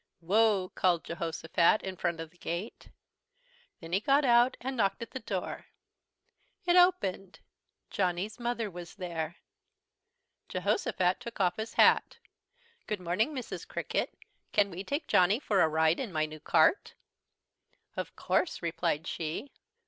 "Whoa!" called Jehosophat, in front of the gate. Then he got out and knocked at the door. It opened. Johnny's Mother was there. Jehosophat took off his hat. "Good morning, Mrs. Cricket, can we take Johnny for a ride in my new cart?" "Of course," replied she.